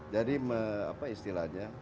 jadi apa istilahnya